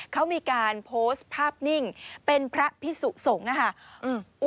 เขามีการโพสต์ภาพนิ่งเป็นพระพิสุสงฆ์นะคะ